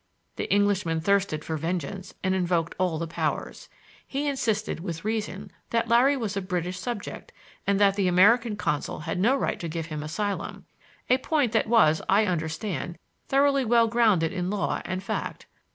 The Englishman thirsted for vengeance and invoked all the powers. He insisted, with reason, that Larry was a British subject and that the American consul had no right to give him asylum,—a point that was, I understand, thoroughly well grounded in law and fact.